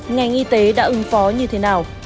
ngành y tế đã ứng phó như thế nào